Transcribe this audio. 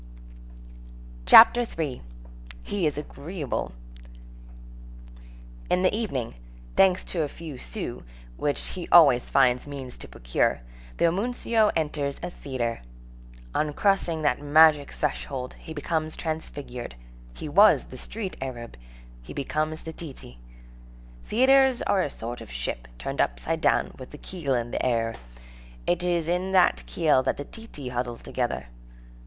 CHAPTER III—HE IS AGREEABLE In the evening, thanks to a few sous, which he always finds means to procure, the homuncio enters a theatre. On crossing that magic threshold, he becomes transfigured; he was the street Arab, he becomes the titi.18 Theatres are a sort of ship turned upside down with the keel in the air. It is in that keel that the titi huddle together.